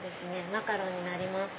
マカロンになります。